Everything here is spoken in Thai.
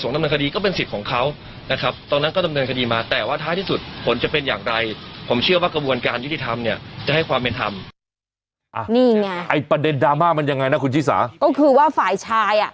นี่ไงไอ้ประเด็นดราม่ามันยังไงนะคุณชิสาก็คือว่าฝ่ายชายอ่ะ